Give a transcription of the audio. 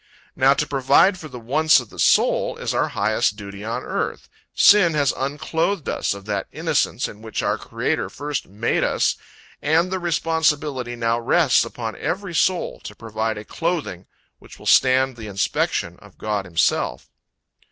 Now to provide for the wants of the soul, is our highest duty on earth. Sin has unclothed us of that innocence in which our Creator first made us, and the responsibility now rests upon every soul, to provide a clothing which will stand the inspection of God himself.